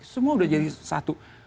semua udah jadi satu